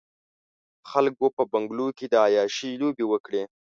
خلکو په بنګلو کې د عياشۍ لوبې وکړې.